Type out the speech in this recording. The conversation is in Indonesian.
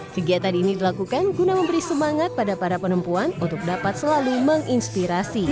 kegiatan ini dilakukan guna memberi semangat pada para perempuan untuk dapat selalu menginspirasi